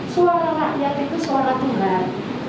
suara rakyat itu suara tuhan